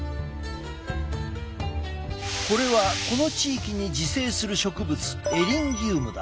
これはこの地域に自生する植物エリンギウムだ。